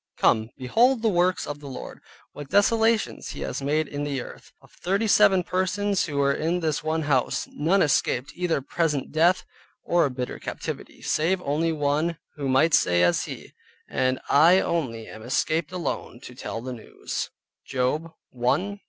"Come, behold the works of the Lord, what desolations he has made in the earth." Of thirty seven persons who were in this one house, none escaped either present death, or a bitter captivity, save only one, who might say as he, "And I only am escaped alone to tell the News" (Job 1.15).